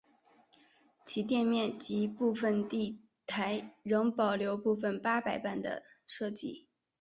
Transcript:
其店面及部份地台仍保留部份八佰伴的设计。